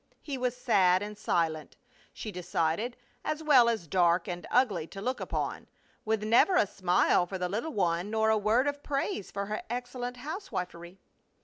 He was sad and silent, she decided, as well as dark and ugly to look upon, with never a smile for the little one nor a word of praise for her excellent housewifery.